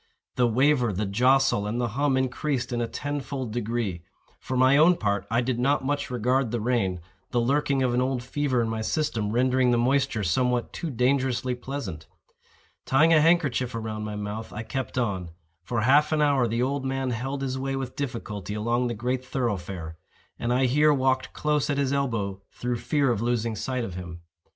The waver, the jostle, and the hum increased in a tenfold degree. For my own part I did not much regard the rain—the lurking of an old fever in my system rendering the moisture somewhat too dangerously pleasant. Tying a handkerchief about my mouth, I kept on. For half an hour the old man held his way with difficulty along the great thoroughfare; and I here walked close at his elbow through fear of losing sight of him.